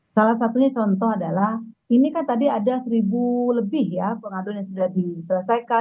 salah satunya contoh adalah ini kan tadi ada seribu lebih ya pengaduan yang sudah diselesaikan